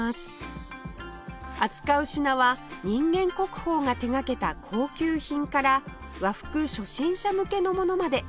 扱う品は人間国宝が手掛けた高級品から和服初心者向けのものまで